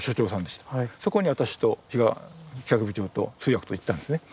そこに私と比嘉企画部長と通訳と行ったんですね。